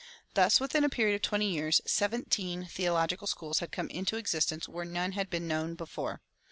Thus, within a period of twenty years, seventeen theological schools had come into existence where none had been known before.